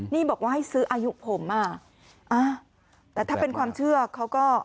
นี่บอกว่าให้ซื้ออายุผมอ่ะอ่าแต่ถ้าเป็นความเชื่อเขาก็